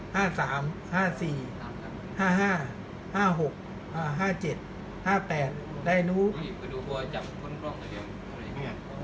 ห้าสามห้าสี่ห้าห้าห้าหกอ่าห้าเจ็ดห้าแปดได้นู้น